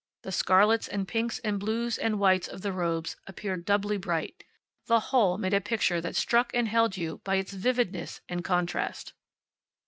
The scarlets, and pinks, and blues, and whites of the robes appeared doubly bright. The whole made a picture that struck and held you by its vividness and contrast.